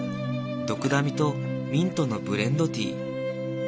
ドクダミとミントのブレンドティー。